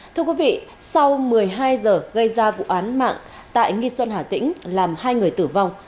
thưa quý vị sau một mươi hai giờ gây ra vụ án mạng tại nghi xuân hà tĩnh làm hai người tử vong